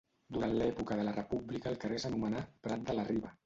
Durant l'època de la República el carrer s'anomenà Prat de la Riba.